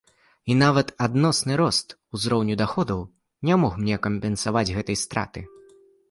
І нават адносны рост узроўню даходаў не мог мне кампенсаваць гэтай страты.